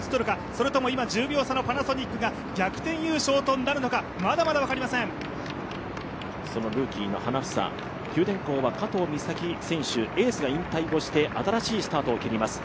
それとも今、１０秒差のパナソニックが逆転優勝となるのか、そのルーキーの花房、九電工は加藤岬選手、エースが引退をして新しいスタートを切ります。